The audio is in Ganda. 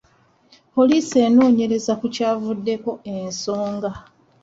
Poliisi enoonyereza ku kyavuddeko ensonga.